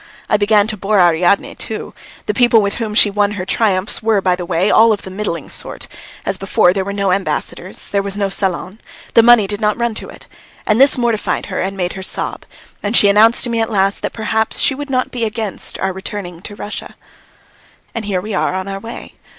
I began to bore Ariadne too. The people with whom she won her triumphs were, by the way, all of the middling sort; as before, there were no ambassadors, there was no salon, the money did not run to it, and this mortified her and made her sob, and she announced to me at last that perhaps she would not be against our returning to Russia. And here we are on our way.